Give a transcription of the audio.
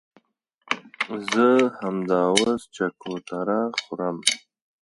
که ښوونکی یاست ښه درس ورکړئ.